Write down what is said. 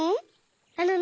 あのね